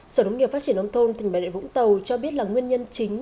sở nông nghiệp phát triển âm thôn thành mệnh đại vũng tàu cho biết là nguyên nhân chính